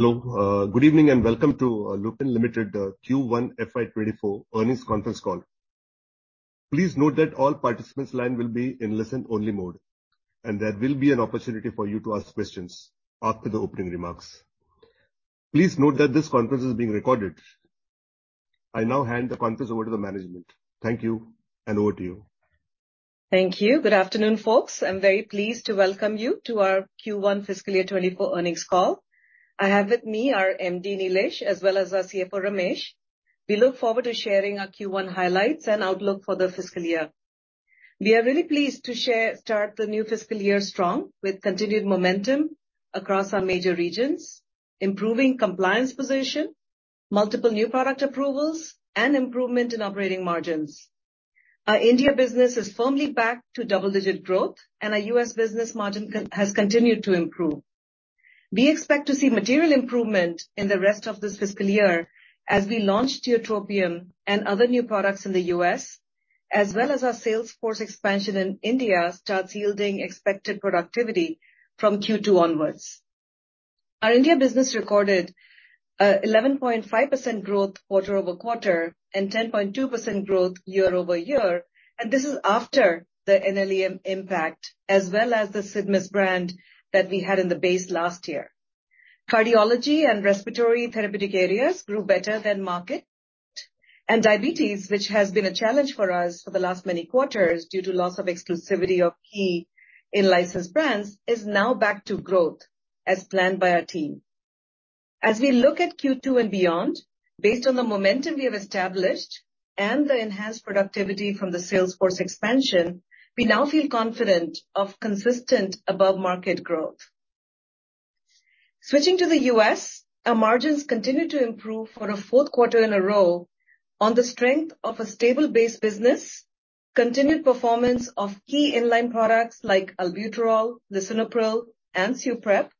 Hello, good evening, and welcome to Lupin Limited, Q1 FY 2024 earnings conference call. Please note that all participants' line will be in listen-only mode. There will be an opportunity for you to ask questions after the opening remarks. Please note that this conference is being recorded. I now hand the conference over to the management. Thank you. Over to you. Thank you. Good afternoon, folks. I'm very pleased to welcome you to our Q1 fiscal year 2024 earnings call. I have with me our MD, Nilesh, as well as our CFO, Ramesh. We look forward to sharing our Q1 highlights and outlook for the fiscal year. We are really pleased to start the new fiscal year strong, with continued momentum across our major regions, improving compliance position, multiple new product approvals, and improvement in operating margins. Our India business is firmly back to double-digit growth, and our US business margin has continued to improve. We expect to see material improvement in the rest of this fiscal year as we launch tiotropium and other new products in the US, as well as our sales force expansion in India starts yielding expected productivity from Q2 onwards. Our India business recorded 11.5% growth quarter-over-quarter, 10.2% growth year-over-year, this is after the NLEM impact, as well as the Cidmus brand that we had in the base last year. Cardiology and respiratory therapeutic areas grew better than market, diabetes, which has been a challenge for us for the last many quarters due to loss of exclusivity of key in-licensed brands, is now back to growth as planned by our team. As we look at Q2 and beyond, based on the momentum we have established and the enhanced productivity from the sales force expansion, we now feel confident of consistent above-market growth. Switching to the U.S., our margins continued to improve for a fourth quarter in a row on the strength of a stable base business, continued performance of key in-line products like albuterol, lisinopril, and SUPREP,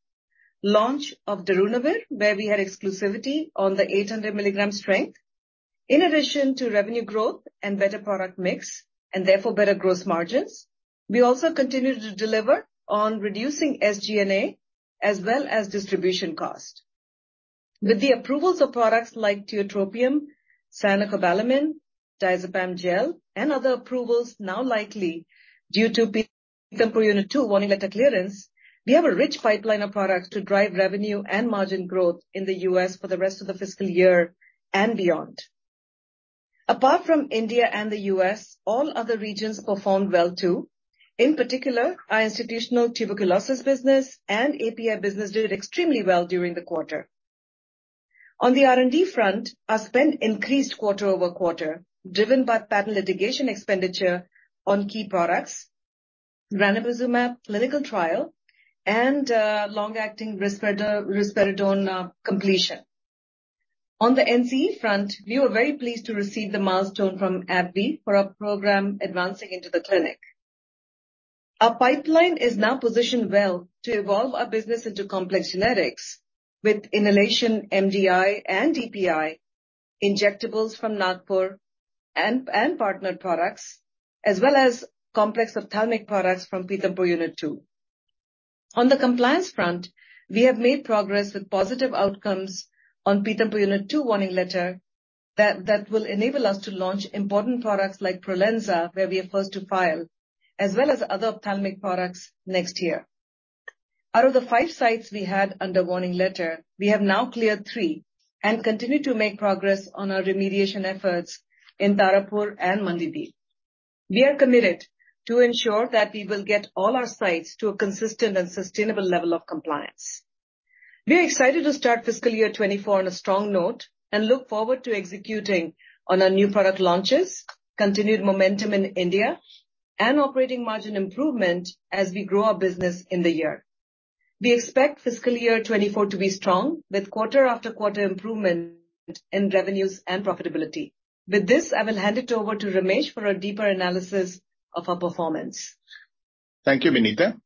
launch of darunavir, where we had exclusivity on the 800 milligram strength. In addition to revenue growth and better product mix, and therefore better gross margins, we also continued to deliver on reducing SG&A as well as distribution cost. With the approvals of products like tiotropium, cyanocobalamin, diazepam gel, and other approvals now likely due to Pithampur Unit II warning letter clearance, we have a rich pipeline of products to drive revenue and margin growth in the U.S. for the rest of the fiscal year and beyond. Apart from India and the U.S., all other regions performed well, too. In particular, our institutional tuberculosis business and API business did extremely well during the quarter. On the R&D front, our spend increased quarter-over-quarter, driven by patent litigation expenditure on key products, ranibizumab clinical trial, and long-acting risperidone completion. On the NCE front, we were very pleased to receive the milestone from AbbVie for our program advancing into the clinic. Our pipeline is now positioned well to evolve our business into complex generics, with inhalation, MDI and EPI, injectables from Nagpur, and partnered products, as well as complex ophthalmic products from Pithampur Unit II. On the compliance front, we have made progress with positive outcomes on Pithampur Unit II warning letter that will enable us to launch important products like Prolensa, where we are first to file, as well as other ophthalmic products next year. Out of the five sites we had under warning letter, we have now cleared three and continue to make progress on our remediation efforts in Tarapur and Mandideep. We are committed to ensure that we will get all our sites to a consistent and sustainable level of compliance. We are excited to start fiscal year 2024 on a strong note and look forward to executing on our new product launches, continued momentum in India, and operating margin improvement as we grow our business in the year. We expect fiscal year 2024 to be strong, with quarter after quarter improvement in revenues and profitability. With this, I will hand it over to Ramesh Swaminathan for a deeper analysis of our performance. Thank you, Vinita.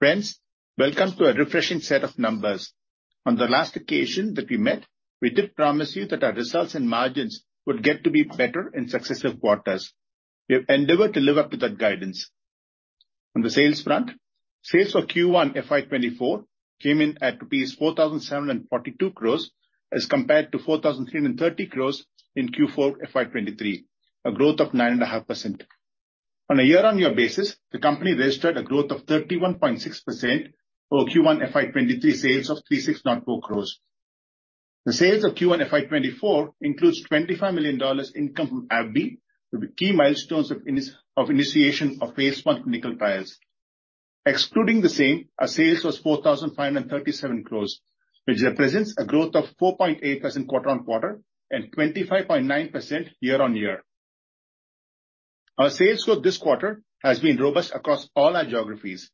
Friends, welcome to a refreshing set of numbers. On the last occasion that we met, we did promise you that our results and margins would get to be better in successive quarters. We have endeavored to live up to that guidance. On the sales front, sales for Q1 FY 2024 came in at rupees 4,742 crore, as compared to 4,330 crore in Q4 FY 2023, a growth of 9.5%. On a year-on-year basis, the company registered a growth of 31.6% for Q1 FY 2023 sales of 3,602 crore. The sales of Q1 FY 2024 includes $25 million income from AbbVie, with the key milestones of initiation of phase I clinical trials. Excluding the same, our sales was 4,537 crore, which represents a growth of 4.8% quarter-on-quarter and 25.9% year-on-year. Our sales for this quarter has been robust across all our geographies.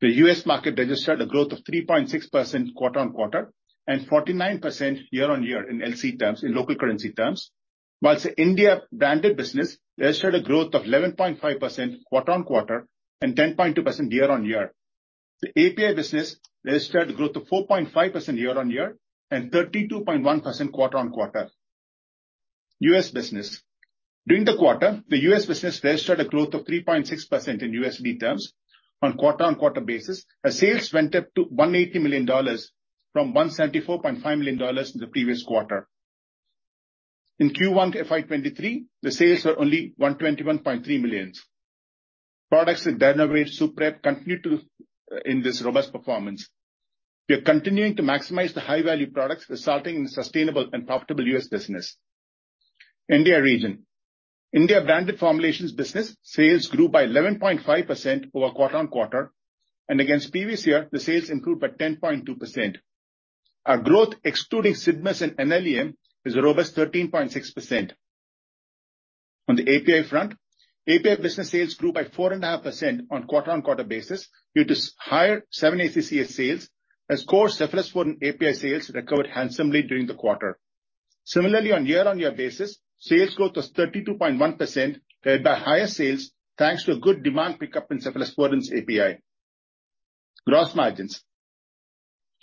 The US market registered a growth of 3.6% quarter-on-quarter, and 49% year-on-year in LC terms, in local currency terms, whilst the India branded business registered a growth of 11.5% quarter-on-quarter and 10.2% year-on-year. The API business registered a growth of 4.5% year-on-year and 32.1% quarter-on-quarter. US business. During the quarter, the US business registered a growth of 3.6% in USD terms on quarter-on-quarter basis, as sales went up to $180 million from $174.5 million in the previous quarter. In Q1 FY23, the sales were only $121.3 million. Products in Dynavige, SUPREP continue to in this robust performance. We are continuing to maximize the high-value products, resulting in sustainable and profitable US business. India region. India branded formulations business sales grew by 11.5% over quarter-on-quarter, and against previous year, the sales improved by 10.2%. Our growth, excluding Cidmus and NLEM, is a robust 13.6%. On the API front, API business sales grew by 4.5% on quarter-on-quarter basis, due to higher 7-ACCA sales as core cephalosporin API sales recovered handsomely during the quarter. Similarly, on year-on-year basis, sales growth was 32.1%, led by higher sales, thanks to a good demand pickup in cephalosporins API. Gross margins.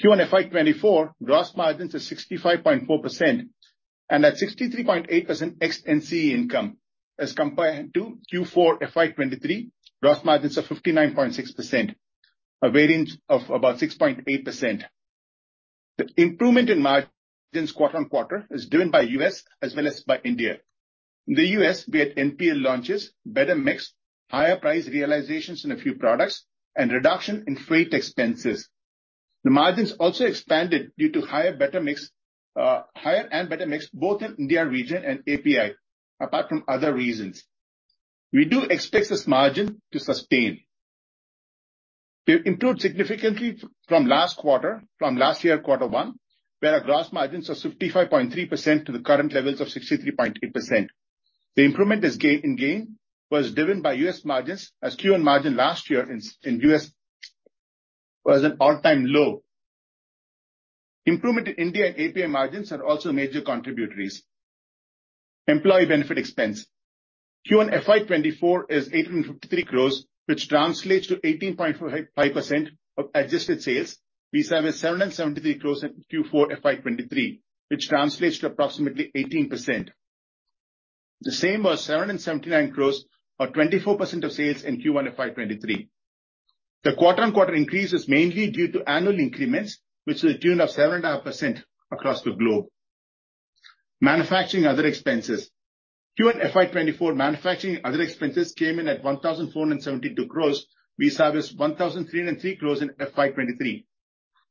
Q1 FY 2024, gross margins are 65.4% and at 63.8% ex-NCE income as compared to Q4 FY 2023, gross margins are 59.6%, a variance of about 6.8%. The improvement in margins quarter-on-quarter is driven by U.S. as well as by India. In the U.S., we had NPL launches, better mix, higher price realizations in a few products, and reduction in freight expenses. The margins also expanded due to higher, better mix, higher and better mix, both in India region and API, apart from other reasons. We do expect this margin to sustain. We improved significantly from last quarter, from last year, quarter one, where our gross margins are 55.3% to the current levels of 63.8%. The improvement is gain, in gain was driven by US margins, as Q1 margin last year in, in US was an all-time low. Improvement in India and API margins are also major contributories. Employee benefit expense. Q1 FY 2024 is 853 crore, which translates to 18.5% of adjusted sales, we service 773 crore in Q4 FY 2023, which translates to approximately 18%. The same was 779 crore, or 24% of sales in Q1 FY 2023. The quarter on quarter increase is mainly due to annual increments, which is a tune of 7.5% across the globe. Manufacturing other expenses. Q1 FY 2024, manufacturing other expenses came in at 1,472 crore. We serviced 1,303 crore in FY 2023.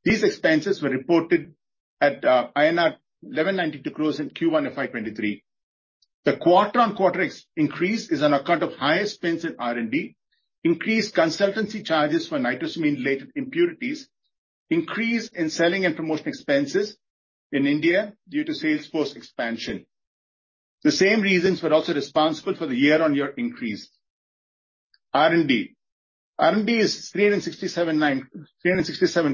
These expenses were reported at INR 1,192 crore in Q1 FY 2023. The quarter on quarter increase is on account of higher spends in R&D, increased consultancy charges for nitrosamine-related impurities, increase in selling and promotion expenses in India due to sales force expansion. The same reasons were also responsible for the year-on-year increase. R&D. R&D is 367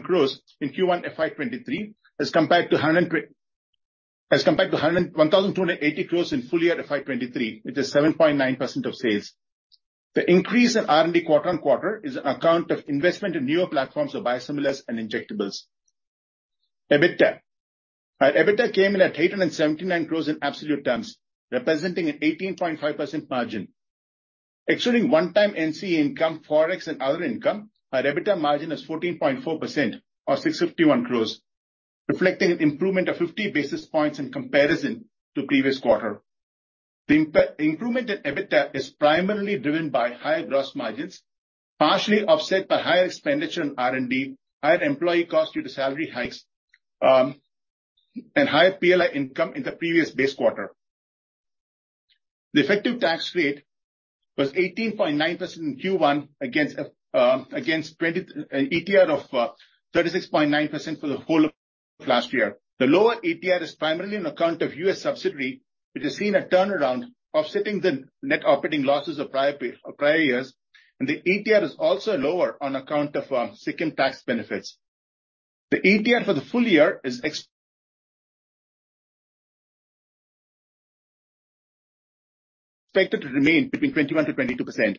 crore in Q1 FY 2023, as compared to 101,280 crore in full year FY 2023, which is 7.9% of sales. The increase in R&D quarter-on-quarter is on account of investment in newer platforms of biosimilars and injectables. EBITDA. Our EBITDA came in at 879 crore in absolute terms, representing an 18.5% margin. Excluding one-time NCE income, Forex and other income, our EBITDA margin is 14.4% or 651 crore, reflecting an improvement of 50 basis points in comparison to previous quarter. The improvement in EBITDA is primarily driven by higher gross margins, partially offset by higher expenditure on R&D, higher employee cost due to salary hikes, and higher PLI income in the previous base quarter. The effective tax rate was 18.9% in Q1 against 20 ATR of 36.9% for the whole of last year. The lower ATR is primarily on account of U.S. subsidiary, which has seen a turnaround, offsetting the net operating losses of prior years, and the ATR is also lower on account of second tax benefits. The ATR for the full year is expected to remain between 21%-22%.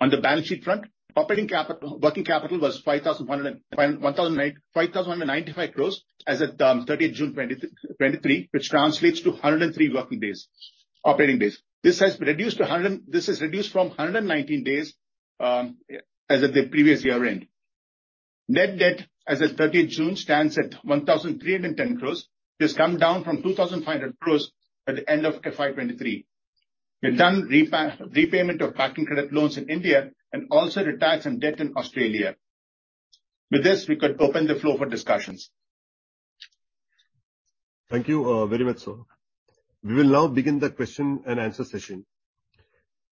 On the balance sheet front, operating capital, working capital was 5,195 crore as at June 30, 2023, which translates to 103 working days, operating days. This is reduced from 119 days as at the previous year end. Net debt as at June 30th stands at 1,310 crore, which has come down from 2,500 crore at the end of FY 2023. We've done repayment of packing credit loans in India and also retired some debt in Australia. With this, we could open the floor for discussions. Thank you, very much, sir. We will now begin the question and answer session.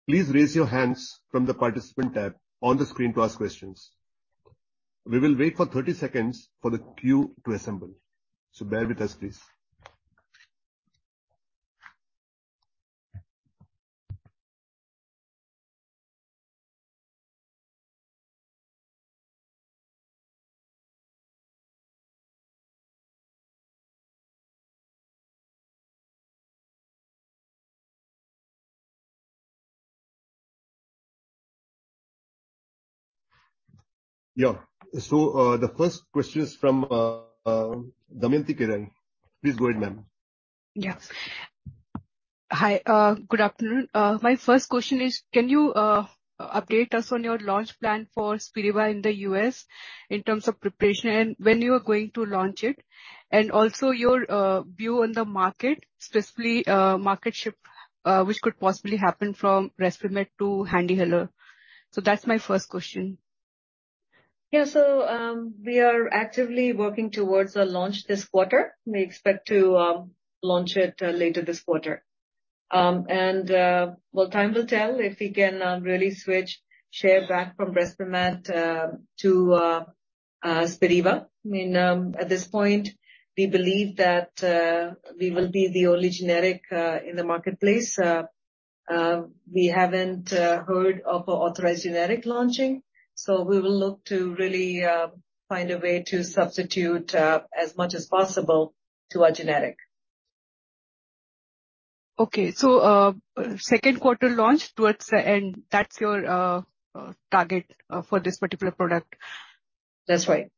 Please raise your hands from the participant tab on the screen to ask questions. We will wait for 30 seconds for the queue to assemble, so bear with us, please. Yeah. The first question is from Damayanti Kerai. Please go ahead, ma'am. Yeah. Hi, good afternoon. My first question is, can you update us on your launch plan for Spiriva in the U.S., in terms of preparation, when you are going to launch it, and also your view on the market, specifically, market ship, which could possibly happen from Respimat to HandiHaler? That's my first question. Yeah. We are actively working towards a launch this quarter. We expect to launch it later this quarter. Well, time will tell if we can really switch share back from Respimat to Spiriva. I mean, at this point, we believe that we will be the only generic in the marketplace. We haven't heard of an authorized generic launching, so we will look to really find a way to substitute as much as possible to a generic. Okay. Second quarter launch towards the end, that's your target for this particular product? That's right.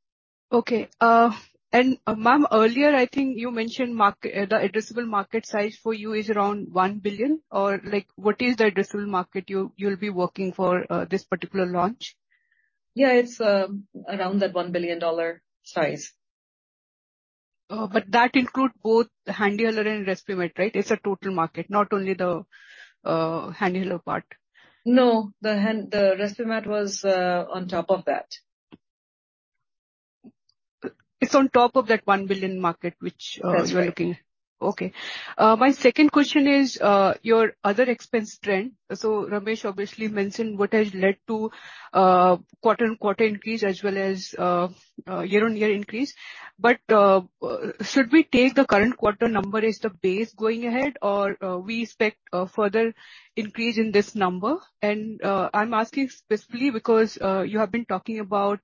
Okay. Ma'am, earlier, I think you mentioned the addressable market size for you is around 1 billion, or, like, what is the addressable market you, you'll be working for, this particular launch? Yeah, it's, around that $1 billion size. That include both the HandiHaler and Respimat, right? It's a total market, not only the HandiHaler part. No, the Respimat was on top of that. It's on top of that one billion market which. That's right. you are looking. Okay. My second question is, your other expense trend. Ramesh Swaminathan obviously mentioned what has led to quarter-on-quarter increase as well as year-on-year increase. Should we take the current quarter number as the base going ahead, or we expect further increase in this number? I'm asking specifically because you have been talking about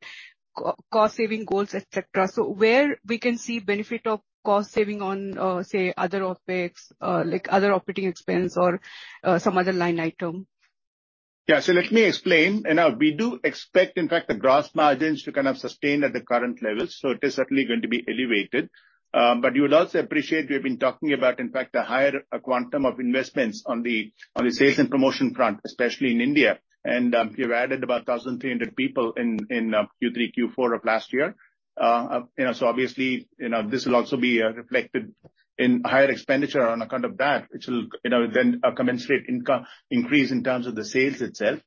cost-saving goals, et cetera. Where we can see benefit of cost saving on, say, other OpEx, like other operating expense or some other line item? Yeah. Let me explain. You know, we do expect, in fact, the gross margins to kind of sustain at the current level, so it is certainly going to be elevated. But you would also appreciate, we've been talking about, in fact, a higher quantum of investments on the, on the sales and promotion front, especially in India. We've added about 1,300 people in, in Q3, Q4 of last year. You know, so obviously, you know, this will also be reflected in higher expenditure on account of that, which will, you know, then a commensurate increase in terms of the sales itself.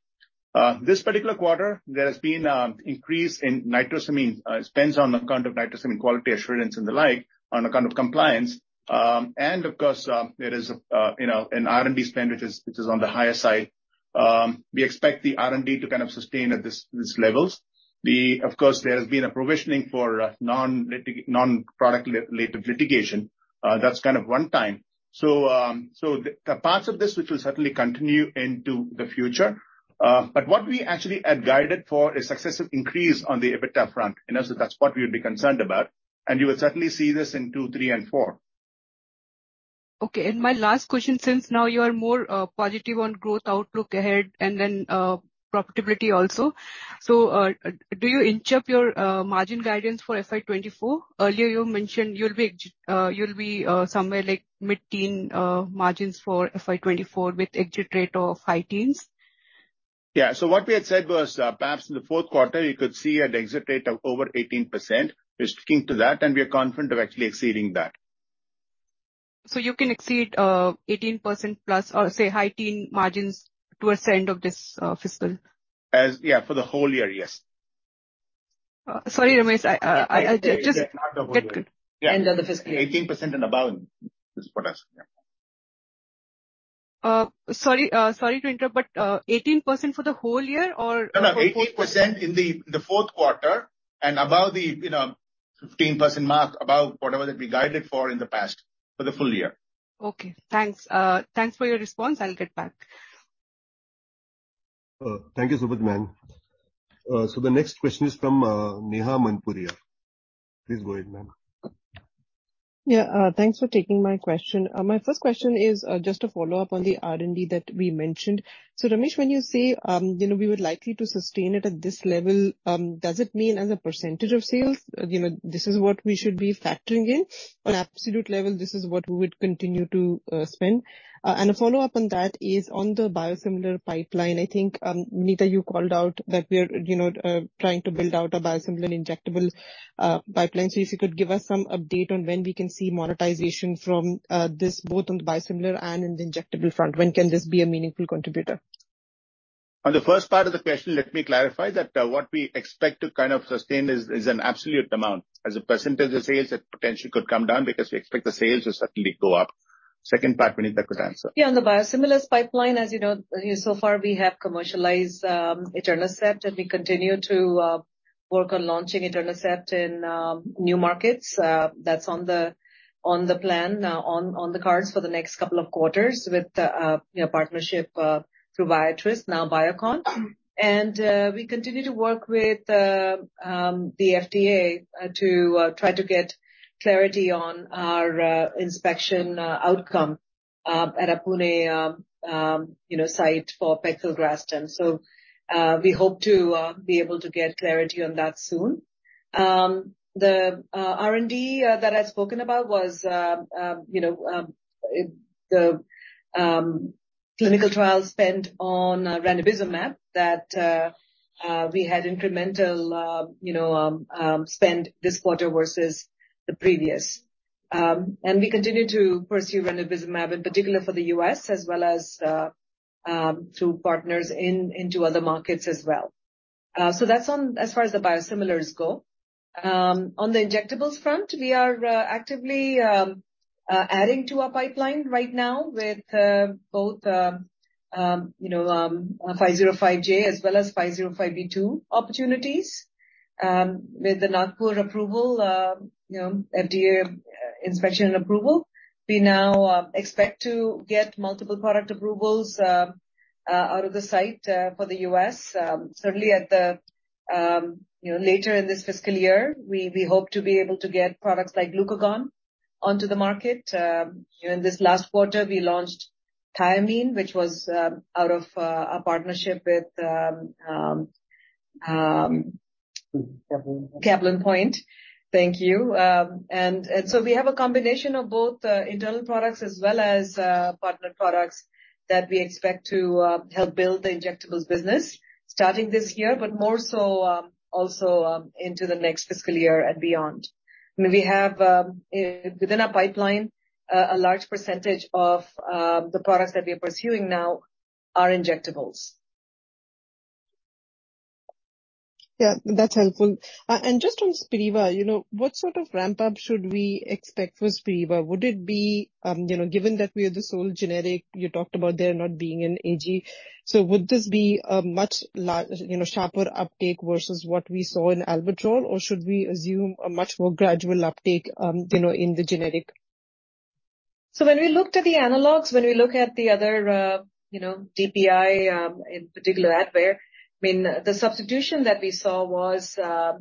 This particular quarter, there has been increase in nitrosamine spends on account of nitrosamine quality assurance and the like, on account of compliance. Of course, there is, you know, an R&D spend, which is, which is on the higher side. We expect the R&D to kind of sustain at this, this levels. Of course, there has been a provisioning for non-litig- non-product li- related litigation. That's kind of one time. The, the parts of this, which will certainly continue into the future, but what we actually had guided for is successive increase on the EBITDA front, you know, that's what we would be concerned about, and you will certainly see this in two, three, and four. Okay. My last question, since now you are more positive on growth outlook ahead and then profitability also, so do you inch up your margin guidance for FY 2024? Earlier, you mentioned you'll be you'll be somewhere like mid-teen margins for FY 2024, with exit rate of high teens. Yeah. What we had said was, perhaps in the fourth quarter, you could see an exit rate of over 18%. We're sticking to that, and we are confident of actually exceeding that. You can exceed 18%+, or say, high teen margins towards the end of this fiscal? Yeah, for the whole year, yes. sorry, Ramesh Swaminathan, I just... Not the whole year. End of the fiscal year. 18% and above is what I said, yeah. Sorry, sorry to interrupt, but, 18% for the whole year, or? No, no, 18% in the, the fourth quarter, and above the, you know, 15% mark, above whatever that we guided for in the past, for the full year. Okay, thanks. Thanks for your response. I'll get back. Thank you so much, ma'am. The next question is from Neha Manpuria. Please go ahead, ma'am. Yeah. Thanks for taking my question. My first question is just a follow-up on the R&D that we mentioned. RameshSwaminathan, when you say, you know, we would likely to sustain it at this level, does it mean as a percentage of sales, you know, this is what we should be factoring in? On absolute level, this is what we would continue to spend. A follow-up on that is on the biosimilar pipeline. I think, Vinita, you called out that we are, you know, trying to build out a biosimilar injectable pipeline. If you could give us some update on when we can see monetization from this, both on the biosimilar and in the injectable front. When can this be a meaningful contributor? On the first part of the question, let me clarify that what we expect to kind of sustain is, is an absolute amount. As a percentage of sales, that potentially could come down because we expect the sales to certainly go up. Second part, Vinita could answer. Yeah, on the biosimilars pipeline, as you know, so far, we have commercialized, etanercept, and we continue to work on launching etanercept in new markets. That's on the, on the plan, on, on the cards for the next couple of quarters with, you know, partnership, through Biostress, now Biocon. We continue to work with the FDA to try to get clarity on our inspection outcome. At our Pune, you know, site for Pegfilgrastim. We hope to be able to get clarity on that soon. The R&D that I'd spoken about was, you know, the clinical trial spent on ranibizumab, that we had incremental, you know, spend this quarter versus the previous. We continue to pursue ranibizumab, in particular for the U.S., as well as, through partners in, into other markets as well. That's on as far as the biosimilars go. On the injectables front, we are actively adding to our pipeline right now with both 505(j) as well as 505(b)(2) opportunities. With the Nagpur approval, FDA inspection and approval, we now expect to get multiple product approvals out of the site for the US. Certainly at the later in this fiscal year, we hope to be able to get products like Glucagon onto the market. you know, in this last quarter, we launched Thiamine, which was out of a partnership with. Caplin Point. Caplin Point. Thank you. We have a combination of both, internal products as well as, partner products, that we expect to help build the injectables business starting this year, but more so, also, into the next fiscal year and beyond. I mean, we have, within our pipeline, a large percentage of, the products that we are pursuing now are injectables. Yeah, that's helpful. Just on Spiriva, you know, what sort of ramp-up should we expect for Spiriva? Would it be, you know, given that we are the sole generic, you talked about there not being an AG, so would this be a much sharper uptake versus what we saw in albuterol? Should we assume a much more gradual uptake, you know, in the generic? When we looked at the analogs, when we look at the other, you know, DPI, in particular, Advair, I mean, the substitution that we saw was a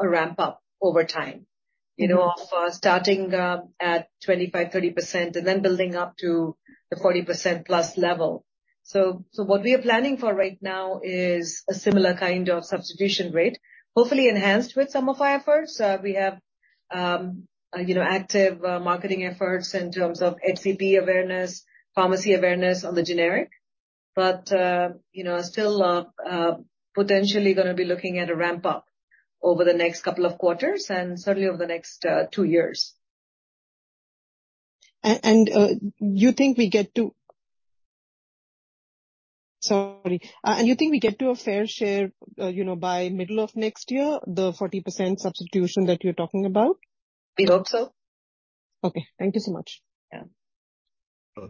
ramp-up over time. Mm-hmm. You know, of, starting, at 25%, 30%, and then building up to the 40%+ level. So what we are planning for right now is a similar kind of substitution rate, hopefully enhanced with some of our efforts. We have, you know, active, marketing efforts in terms of HCP awareness, pharmacy awareness on the generic, but, you know, still, potentially gonna be looking at a ramp-up over the next couple of quarters, and certainly over the next, two years. Sorry. you think we get to a fair share, you know, by middle of next year, the 40% substitution that you're talking about? We hope so. Okay, thank you so much. Yeah.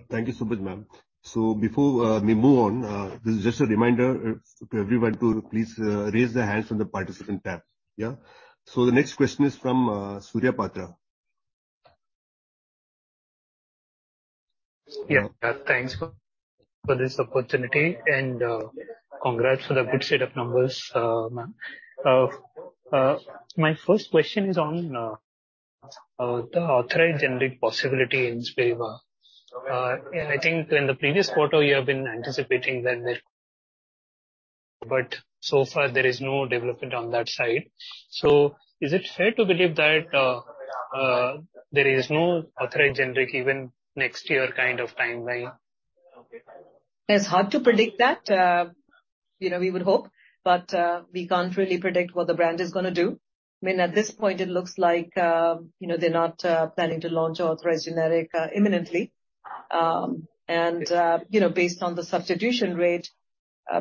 Thank you so much, ma'am. Before we move on, this is just a reminder to everyone to please raise their hands on the participant tab, yeah? The next question is from Surya Patra. Yeah. Thanks for, for this opportunity, and congrats for the good set of numbers, ma'am. My first question is on the authorized generic possibility in Spiriva. I think in the previous quarter, you have been anticipating when there, but so far there is no development on that side. Is it fair to believe that there is no authorized generic even next year kind of timeline? It's hard to predict that. You know, we would hope, but we can't really predict what the brand is gonna do. I mean, at this point, it looks like, you know, they're not planning to launch authorized generic imminently. You know, based on the substitution rate,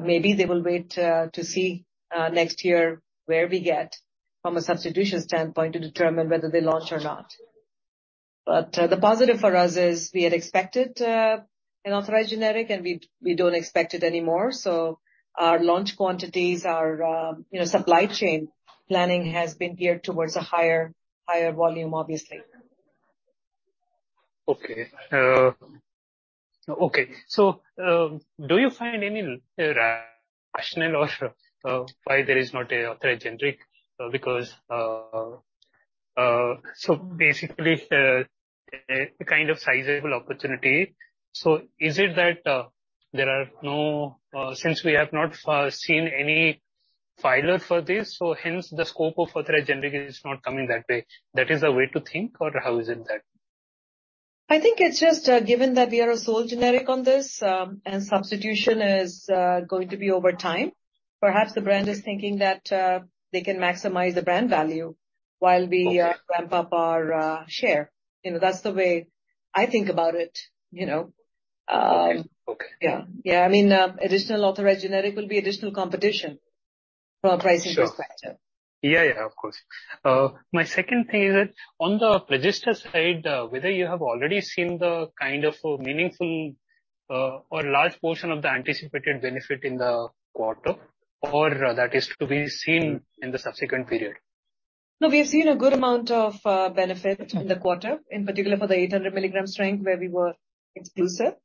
maybe they will wait to see next year where we get from a substitution standpoint to determine whether they launch or not. The positive for us is, we had expected an authorized generic, and we, we don't expect it anymore, so our launch quantities, our, you know, supply chain planning has been geared towards a higher, higher volume, obviously. Okay. Okay. Do you find any rational or why there is not a authorized generic? Basically, a kind of sizable opportunity. Is it that there are no... since we have not seen any filer for this, so hence the scope of authorized generic is not coming that way. That is a way to think, or how is it that? I think it's just, given that we are a sole generic on this, and substitution is going to be over time, perhaps the brand is thinking that they can maximize the brand value- Okay. while we ramp up our share. You know, that's the way I think about it, you know. Okay. Yeah. Yeah, I mean, additional authorized generic will be additional competition from a pricing perspective. Sure. Yeah, yeah, of course. My second thing is that, on the register side, whether you have already seen the kind of a meaningful, or large portion of the anticipated benefit in the quarter, or that is to be seen in the subsequent period? No, we've seen a good amount of, benefit- Mm-hmm. -in the quarter, in particular for the 800 milligram strength, where we were exclusive.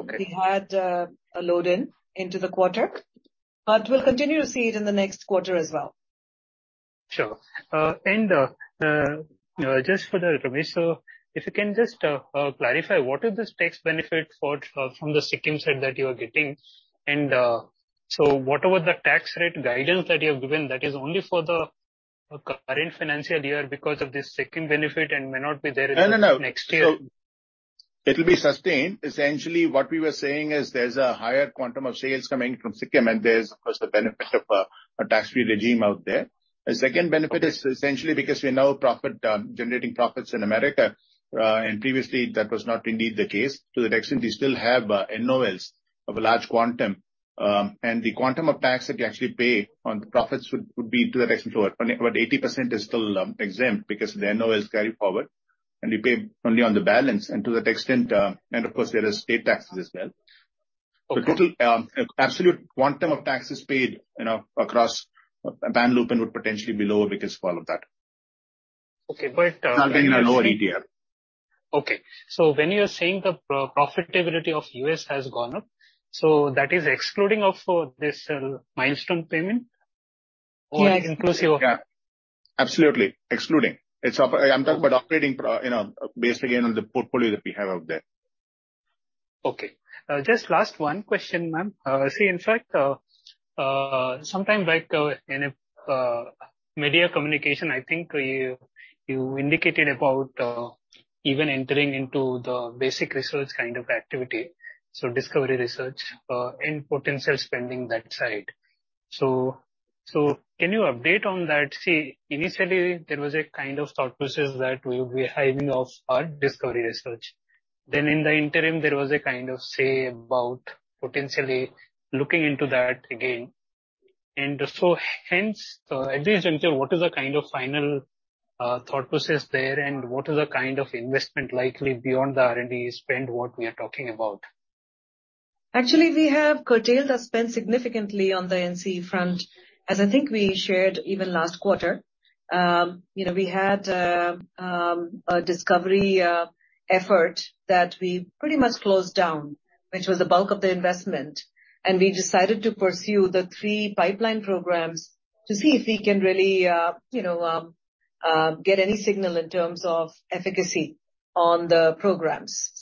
Okay. We had a load-in into the quarter, but we'll continue to see it in the next quarter as well. Sure. Just for the remix, if you can just clarify, what is this tax benefit for from the Sikkim side that you are getting? Whatever the tax rate guidance that you have given, that is only for the current financial year because of this Sikkim benefit and may not be there in- No, no, no. next year? It will be sustained. Essentially, what we were saying is there's a higher quantum of sales coming from Sikkim, and there's, of course, the benefit of a tax-free regime out there. The second benefit is essentially because we are now profit, generating profits in America, and previously that was not indeed the case. To the extent we still have NOLs of a large quantum, and the quantum of tax that we actually pay on the profits would, would be to that extent, about 80% is still exempt because the NOLs carry forward, and we pay only on the balance and to that extent. Of course, there is state taxes as well. Okay. The total, absolute quantum of taxes paid, you know, across Lupin would potentially be lower because of all of that. Okay. Nothing in a lower ETF. When you are saying the profitability of US has gone up, so that is excluding of this milestone payment? Yeah, inclusive. Yeah. Absolutely. Excluding. It's I'm talking about operating pro, you know, based, again, on the portfolio that we have out there. Okay. just last one question, ma'am. see, in fact, sometime, like, in a, media communication, I think you, you indicated about, even entering into the basic research kind of activity, so discovery research, and potential spending that side. So can you update on that? See, initially, there was a kind of thought process that we will be hemming of our discovery research. Then in the interim, there was a kind of say about potentially looking into that again. Hence, at this juncture, what is the kind of final, thought process there, and what is the kind of investment likely beyond the R&D spend, what we are talking about? Actually, we have curtailed our spend significantly on the NCE front, as I think we shared even last quarter. You know, we had a discovery effort that we pretty much closed down, which was the bulk of the investment, and we decided to pursue the three pipeline programs to see if we can really, you know, get any signal in terms of efficacy on the programs.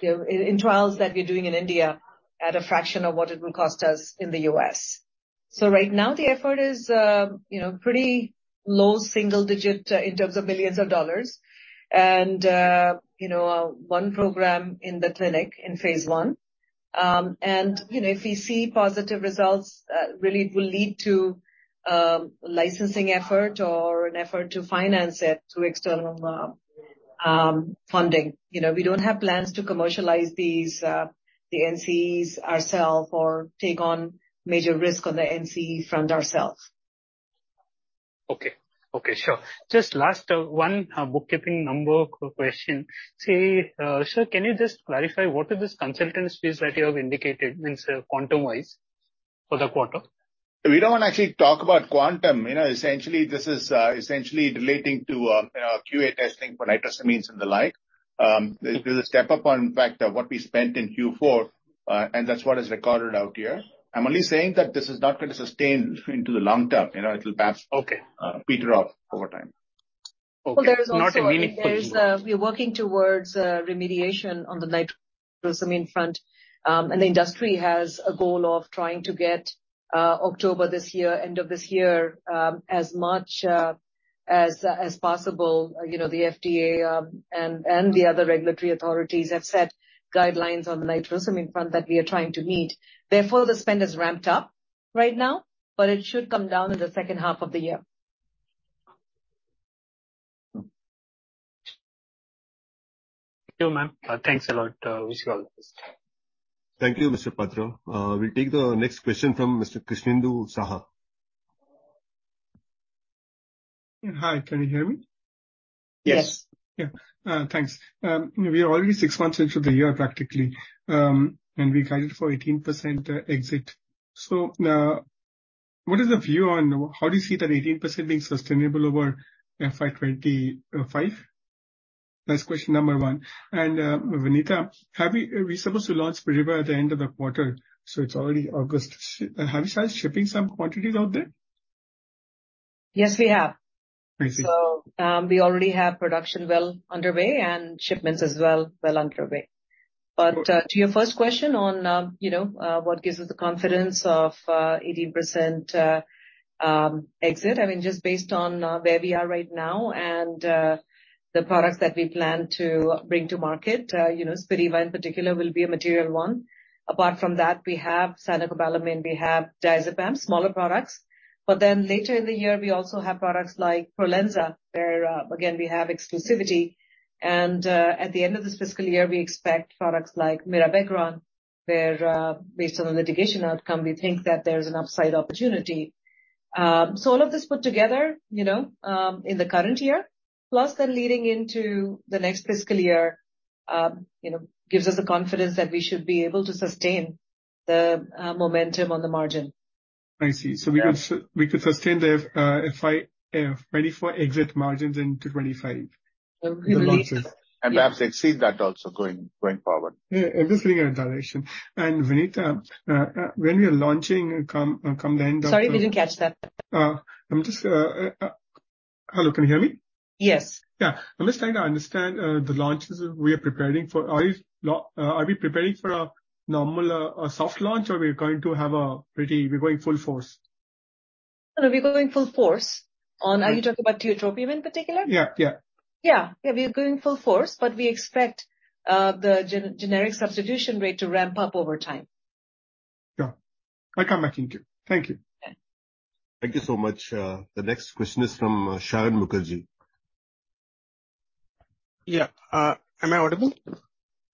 You know, in trials that we're doing in India at a fraction of what it would cost us in the U.S. Right now, the effort is, you know, pretty low single-digit in terms of millions of dollars. You know, one program in the clinic in Phase one. You know, if we see positive results, really it will lead to licensing effort or an effort to finance it through external funding. You know, we don't have plans to commercialize these, the NCs ourself or take on major risk on the NC front ourself. Okay. Okay, sure. Just last, ONE, bookkeeping number question. See, Sir, can you just clarify, what is this consultancy fees that you have indicated, means quantum-wise, for the quarter? We don't want to actually talk about quantum. You know, essentially, this is, essentially relating to, you know, QA testing for nitrosamines and the like. This is a step up on, in fact, what we spent in Q4, and that's what is recorded out here. I'm only saying that this is not going to sustain into the long term. You know, it'll perhaps... Okay. peter off over time. Okay. Well, there is also- Not a meaningful- We're working towards remediation on the nitrosamine front, and the industry has a goal of trying to get October this year, end of this year, as much as possible. You know, the FDA, and the other regulatory authorities have set guidelines on the nitrosamine front that we are trying to meet. Therefore, the spend is ramped up right now, but it should come down in the second half of the year. Sure, ma'am. thanks a lot. wish you all the best. Thank you, Mr. Patra. We'll take the next question from Mr. Krishnendu Saha. Hi, can you hear me? Yes. Yes. Yeah. Thanks. We are already six months into the year, practically, and we guided for 18% exit. What is the view on... How do you see that 18% being sustainable over FY 2025? That's question number one. Vinita, are we supposed to launch Spiriva at the end of the quarter? It's already August. Have you started shipping some quantities out there? Yes, we have. I see. we already have production well underway and shipments as well, well underway. Okay. To your first question on, you know, what gives us the confidence of 18% exit, I mean, just based on where we are right now and the products that we plan to bring to market, you know, Spiriva in particular, will be a material one. Apart from that, we have cyanocobalamin, we have diazepam, smaller products, but then later in the year, we also have products like Prolensa, where again, we have exclusivity. At the end of this fiscal year, we expect products like Mirabegron, where based on the litigation outcome, we think that there's an upside opportunity. All of this put together, you know, in the current year, plus then leading into the next fiscal year, you know, gives us the confidence that we should be able to sustain the momentum on the margin. I see. Yeah. we could we could sustain the FY 24 exit margins into 25?... the launches, and perhaps exceed that also going, going forward. Yeah, everything in that direction. Vineetha, when we are launching come, come the end of- Sorry, we didn't catch that. Hello, can you hear me? Yes. Yeah. I'm just trying to understand the launches we are preparing for. Are we preparing for a normal, a soft launch, or we are going to have a pretty... We're going full force? No, we're going full force on, are you talking about tiotropium in particular? Yeah, yeah. Yeah. Yeah, we are going full force, but we expect the generic substitution rate to ramp up over time. Yeah. I come back in queue. Thank you. Okay. Thank you so much. The next question is from Saion Mukherjee. Yeah. Am I audible?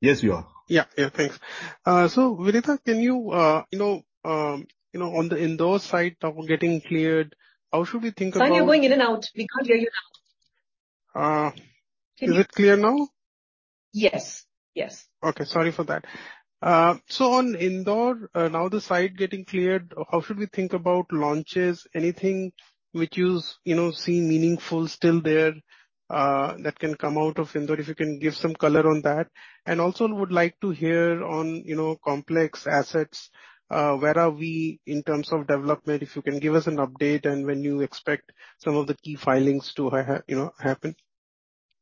Yes, you are. Yeah. Yeah, thanks. Vineetha, can you, you know, you know, on the Indore site of getting cleared, how should we think about- Sorry, you're going in and out. We can't hear you now. Is it clear now? Yes. Yes. Okay, sorry for that. On Indore, now the site getting cleared, how should we think about launches? Anything which you, you know, see meaningful still there that can come out of Indore? Also would like to hear on, you know, complex assets, where are we in terms of development, if you can give us an update and when you expect some of the key filings to ha-ha, you know, happen.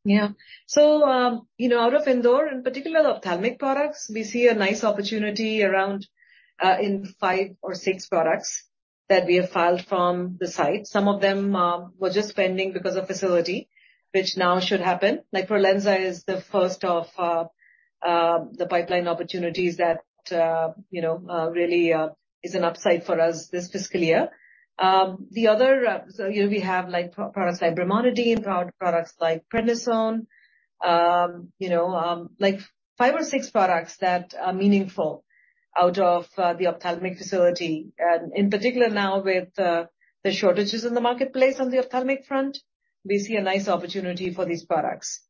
Yeah. You know, out of Indore, in particular, ophthalmic products, we see a nice opportunity around in five or six products that we have filed from the site. Some of them were just pending because of facility, which now should happen. Like, Prolensa is the first of the pipeline opportunities that you know, really is an upside for us this fiscal year. The other, you know, we have, like, products like brimonidine, products like prednisone, you know, like five or six products that are meaningful out of the ophthalmic facility. In particular, now, with the shortages in the marketplace on the ophthalmic front, we see a nice opportunity for these products.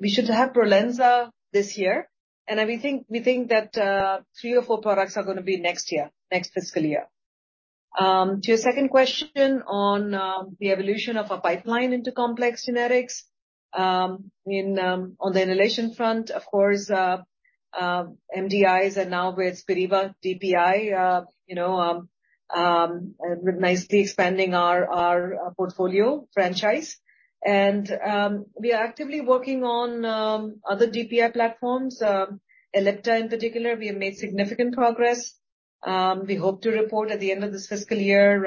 We should have Prolensa this year, and we think, we think that, three or four products are gonna be next year, next fiscal year. To your second question on the evolution of our pipeline into complex generics, in on the inhalation front, of course, MDIs and now with Spiriva DPI, you know, nicely expanding our, our, portfolio franchise. We are actively working on other DPI platforms. Ellipta in particular, we have made significant progress. We hope to report at the end of this fiscal year,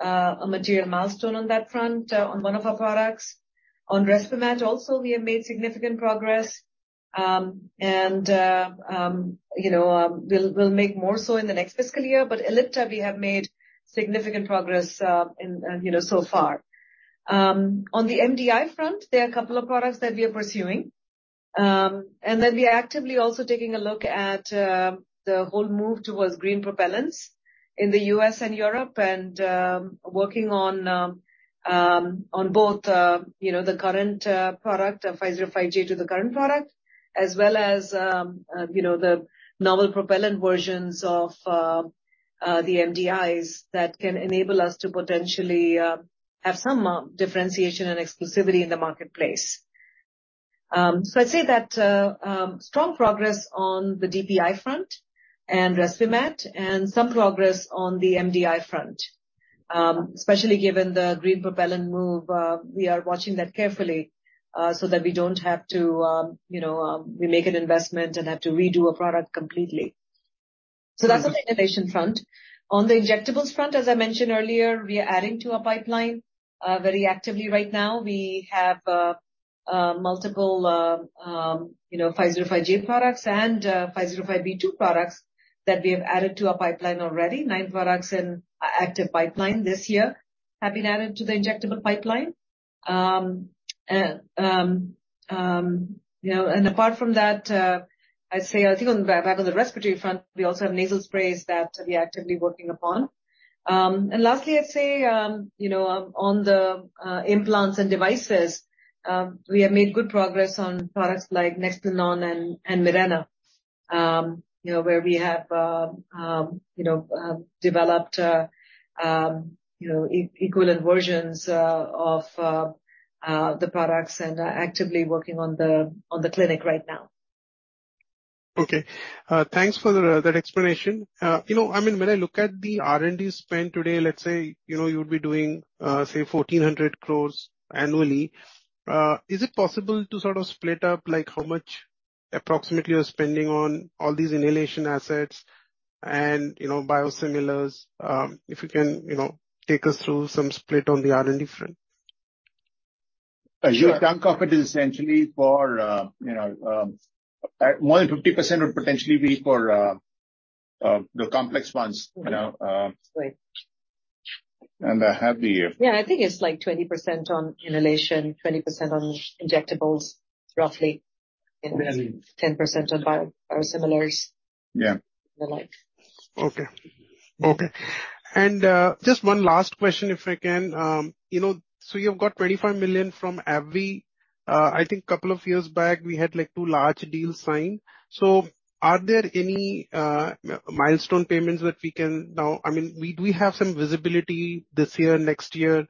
a material milestone on that front, on one of our products. On Respimat also, we have made significant progress. You know, we'll, we'll make more so in the next fiscal year. Ellipta, we have made significant progress, in, you know, so far. On the MDI front, there are a couple of products that we are pursuing. We are actively also taking a look at, the whole move towards green propellants in the U.S. and Europe, and working on, on both, you know, the current product, 505G to the current product, as well as, you know, the novel propellant versions of the MDIs that can enable us to potentially have some differentiation and exclusivity in the marketplace. I'd say that, strong progress on the DPI front and Respimat and some progress on the MDI front. Especially given the green propellant move, we are watching that carefully, so that we don't have to, you know, we make an investment and have to redo a product completely. That's on the inhalation front. On the injectables front, as I mentioned earlier, we are adding to our pipeline very actively right now. We have multiple, you know, 505G products and 505(b)(2) products that we have added to our pipeline already. 9 products in active pipeline this year have been added to the injectable pipeline. You know, apart from that, I'd say, I think on the, back on the respiratory front, we also have nasal sprays that we are actively working upon. Lastly, I'd say, you know, on the implants and devices, we have made good progress on products like Nexplanon and Mirena, you know, where we have, you know, developed, you know, e-equivalent versions of the products and are actively working on the clinic right now. Okay. thanks for that explanation. you know, I mean, when I look at the R&D spend today, let's say, you know, you'd be doing, say, 1,400 crore annually, is it possible to sort of split up, like, how much approximately you're spending on all these inhalation assets and, you know, biosimilars? if you can, you know, take us through some split on the R&D front? you can cockpit essentially for, you know, more than 50% would potentially be for, the complex ones, you know. Right. I have the. Yeah, I think it's, like, 20% on inhalation, 20% on injectables, roughly. Really. 10% on bio-biosimilars... Yeah. The like. Okay. Okay. Just one last question, if I can. You know, so you've got $25 million from AbbVie. I think couple of years back, we had, like, two large deals signed. Are there any milestone payments that we can now... I mean, do we have some visibility this year, next year?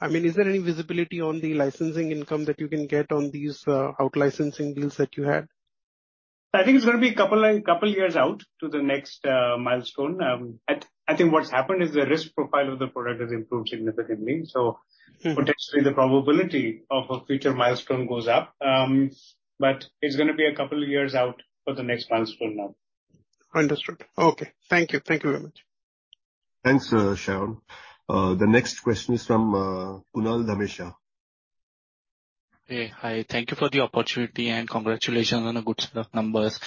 I mean, is there any visibility on the licensing income that you can get on these out licensing deals that you had? I think it's gonna be a couple and, couple years out to the next milestone. I think what's happened is the risk profile of the product has improved significantly. Mm. Potentially, the probability of a future milestone goes up. It's gonna be a couple of years out for the next milestone now. Understood. Okay. Thank you. Thank you very much. Thanks, Sean. The next question is from Kunal Dhamesha. Hey. Hi, thank you for the opportunity, and congratulations on the good set of numbers.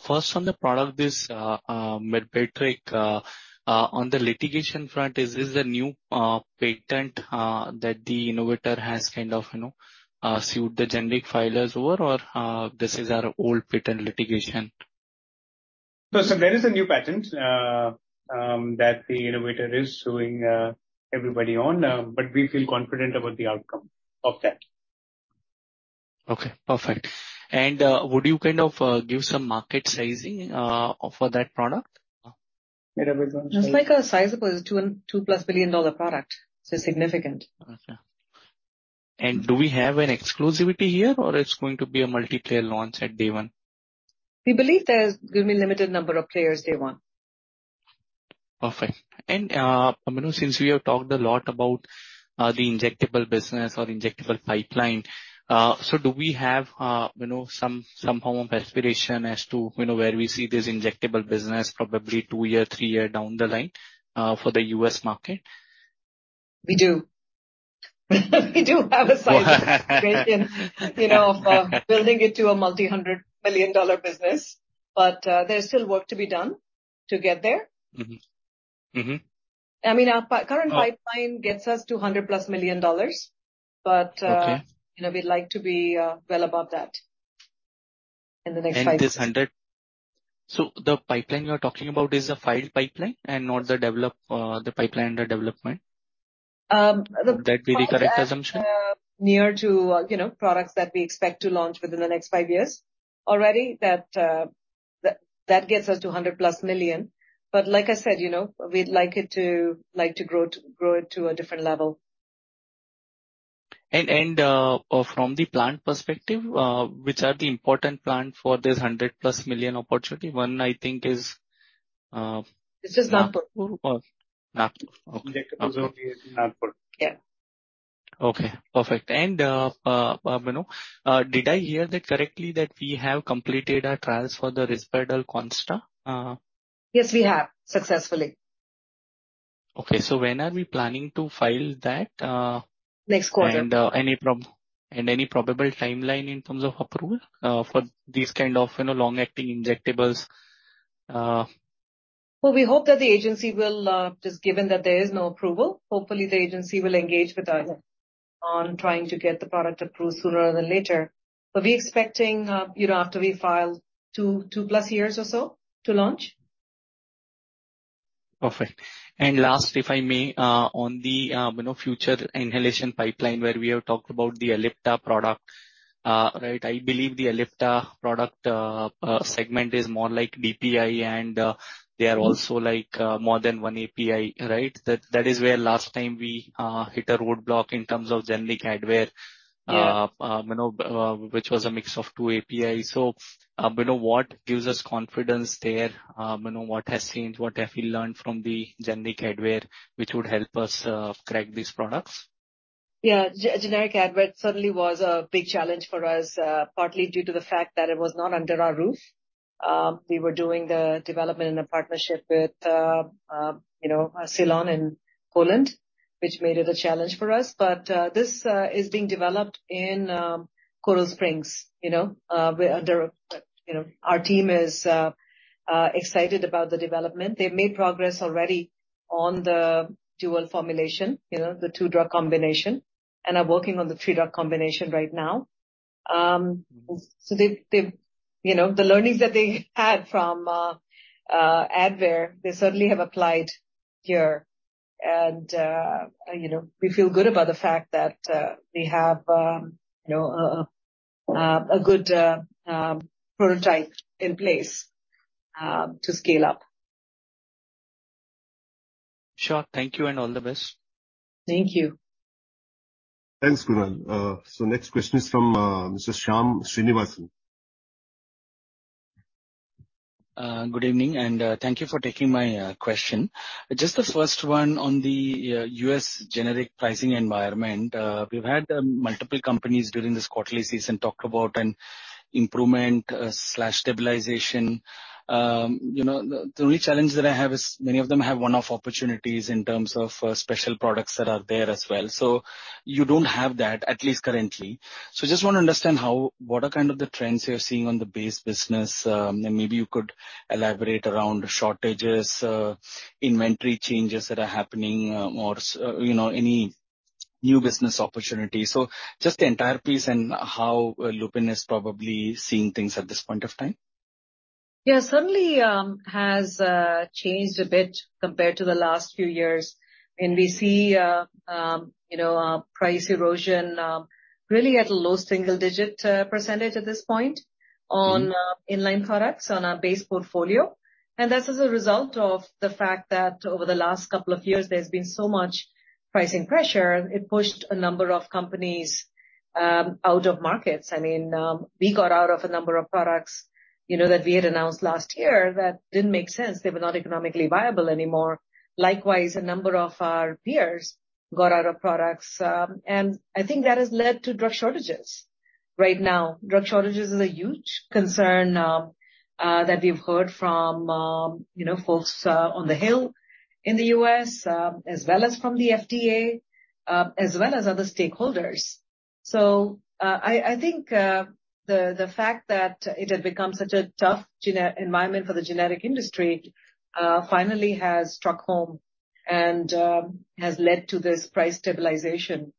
First, on the product, this Medtronic on the litigation front, is this the new patent that the innovator has kind of, you know, sued the generic filers over or this is an old patent litigation? So there is a new patent that the innovator is suing everybody on, but we feel confident about the outcome of that. Okay, perfect. Would you kind of, give some market sizing for that product? It will be It's like a sizable, it's a $2+ billion product, so significant. Okay. Do we have an exclusivity here, or it's going to be a multiplayer launch at day one? We believe there's gonna be a limited number of players day one. Perfect. you know, since we have talked a lot about the injectable business or the injectable pipeline, so do we have, you know, some, some form of aspiration as to, you know, where we see this injectable business, probably two year, three year down the line, for the US market? We do. We do have a size. You know, building it to a multi-hundred million dollar business. There's still work to be done to get there. Mm-hmm. Mm-hmm. I mean, our current pipeline gets us to $100+ million, but. Okay. you know, we'd like to be well above that in the next five years. The pipeline you're talking about is a filed pipeline and not the pipeline under development? Um, the- Would that be the correct assumption? Near to, you know, products that we expect to launch within the next five years. Already, that gets us to $100+ million, but like I said, you know, we'd like it to, like to grow it to a different level. From the plant perspective, which are the important plant for this 100+ million opportunity? One, I think is... It's just Nagpur. Oh, Nagpur. Okay. Nagpur. Yeah. Okay, perfect. You know, did I hear that correctly, that we have completed our trials for the Risperdal Consta? Yes, we have. Successfully. Okay, when are we planning to file that? Next quarter. Any probable timeline in terms of approval for these kind of, you know, long-acting injectables. We hope that the agency will, just given that there is no approval, hopefully the agency will engage with us on trying to get the product approved sooner rather than later. We're expecting, you know, after we file, two, 2+ years or so to launch. Perfect. Last, if I may, on the, you know, future inhalation pipeline, where we have talked about the Ellipta product. Right, I believe the Ellipta product segment is more like DPI, and they are also like more than one API, right? That, that is where last time we hit a roadblock in terms of generic Advair. Yeah. you know, which was a mix of two APIs. You know, what gives us confidence there? you know, what has changed? What have we learned from the generic Advair, which would help us, crack these products? Yeah. generic Advair certainly was a big challenge for us, partly due to the fact that it was not under our roof. We were doing the development and the partnership with, you know, Celon and Poland, which made it a challenge for us. This is being developed in, Coral Springs, you know, our team is excited about the development. They've made progress already on the dual formulation, you know, the two drug combination, and are working on the three drug combination right now. They've, they've, you know, the learnings that they had from, Advair, they certainly have applied here. We feel good about the fact that, we have, you know, a, a good, prototype in place, to scale up. Sure. Thank you and all the best. Thank you. Thanks, Kunal. Next question is from Mr. Shyam Srinivasan. Good evening, and thank you for taking my question. Just the first one on the U.S. generic pricing environment. We've had multiple companies during this quarterly season talk about an improvement slash stabilization. You know, the only challenge that I have is many of them have one-off opportunities in terms of special products that are there as well. You don't have that, at least currently. I just want to understand how, what are kind of the trends you're seeing on the base business, and maybe you could elaborate around shortages, inventory changes that are happening, or, you know, any new business opportunities. Just the entire piece and how Lupin is probably seeing things at this point of time. Yeah. Certainly, has changed a bit compared to the last few years. We see, you know, price erosion really at a low single digit percent at this point. Mm-hmm. on in-line products on our base portfolio. That's as a result of the fact that over the last couple of years, there's been so much pricing pressure, it pushed a number of companies out of markets. I mean, we got out of a number of products, you know, that we had announced last year that didn't make sense. They were not economically viable anymore. Likewise, a number of our peers got out of products, and I think that has led to drug shortages. Right now, drug shortages is a huge concern that we've heard from, you know, folks on the Hill in the U.S., as well as from the FDA, as well as other stakeholders. I, I think, the, the fact that it has become such a tough gene- environment for the generic industry, finally has struck home and, has led to this price stabilization,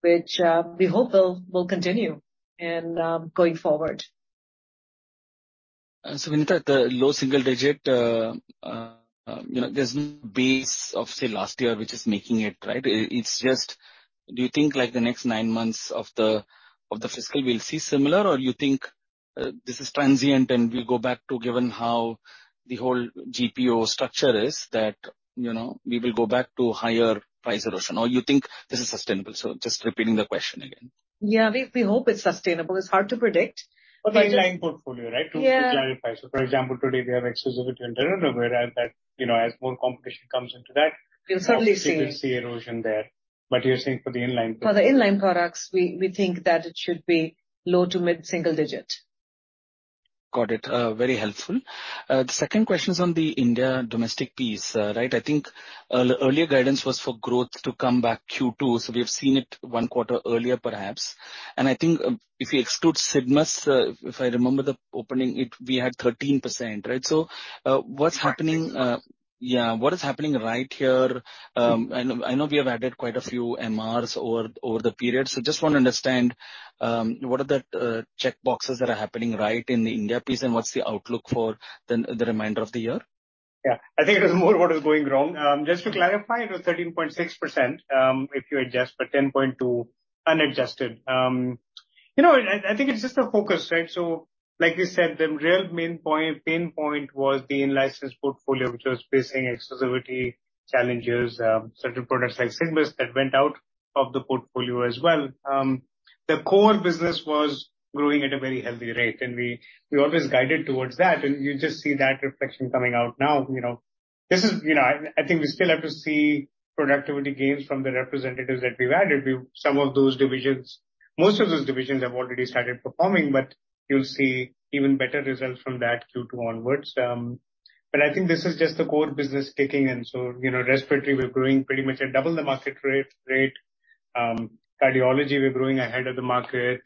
which, we hope will, will continue and, going forward. Vinita, the low single digit, you know, there's base of, say, last year, which is making it, right? Do you think, like, the next nine months of the, of the fiscal we'll see similar? Or you think this is transient, and we go back to given how the whole GPO structure is, that, you know, we will go back to higher price erosion, or you think this is sustainable? Just repeating the question again. Yeah, we, we hope it's sustainable. It's hard to predict. inline portfolio, right? Yeah. To clarify, for example, today we have exclusivity on..., whereas that, you know, as more competition comes into that- We'll certainly see. We will see erosion there. You're saying for the inline- For the inline products, we think that it should be low to mid-single digit. Got it. Very helpful. The second question is on the India domestic piece, right? I think earlier guidance was for growth to come back Q2, so we have seen it one quarter earlier, perhaps. I think, if you exclude Sigmus, if I remember the opening, it, we had 13%, right? What's happening? Right. Yeah. What is happening right here? I know, I know we have added quite a few MRs over, over the period, so just want to understand, what are the checkboxes that are happening right in the India piece, and what's the outlook for the remainder of the year? Yeah. I think it is more what is going wrong. Just to clarify, it was 13.6%, if you adjust, but 10.2% unadjusted. You know, I, I think it's just the focus, right? Like we said, the real main point, pain point was the in-license portfolio, which was facing exclusivity challenges, certain products like Sigmus, that went out of the portfolio as well. The core business was growing at a very healthy rate, and we, we always guided towards that, and you just see that reflection coming out now, you know. This is, you know, I, I think we still have to see productivity gains from the representatives that we've added. We... Some of those divisions, most of those divisions have already started performing, but you'll see even better results from that Q2 onwards. I think this is just the core business kicking in. You know, respiratory, we're growing pretty much at double the market rate. Cardiology, we're growing ahead of the market.